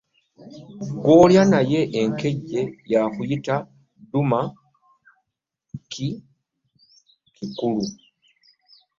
Gwolya naye enkejje y'akuyita dduma bikalu .